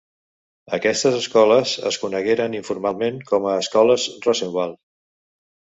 Aquestes escoles es conegueren informalment com a Escoles Rosenwald.